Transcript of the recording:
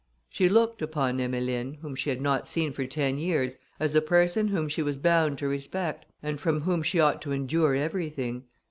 She looked upon Emmeline, whom she had not seen for ten years, as a person whom she was bound to respect, and from whom she ought to endure everything.